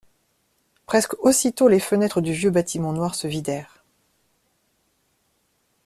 Presque aussitôt les fenêtres du vieux bâtiment noir se vidèrent.